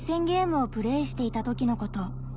ゲームをプレーしていた時のこと。